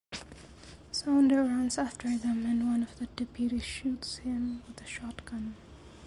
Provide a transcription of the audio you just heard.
Sounder runs after them, and one of the deputies shoots him with a shotgun.